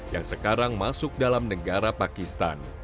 yang sekarang masuk dalam negara pakistan